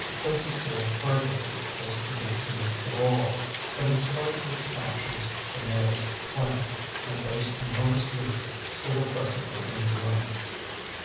Then Cécile furtively placed the boots against the wall. But in spite of her precautions the nails clanked; and those enormous boots stood oppressively in the room.